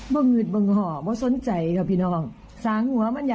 โหเห็นมั้ยจัดเต็มไปเลย